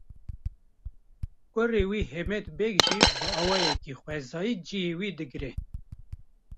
Kurê wî Hemed Beg jî bi awayekî xwezayî ciyê wî digire.